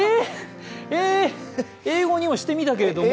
えー、英語にはしてみたけども。